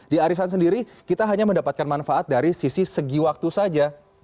di arisan sendiri kita hanya mendapatkan manfaat dari sisi segi waktu saja